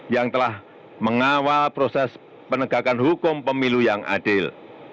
yang telah mengawal proses penegakan hukum pemilu yang adil